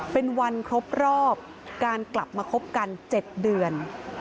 เป็นวันครบรอบการกลับมาคบกัน๗เดือน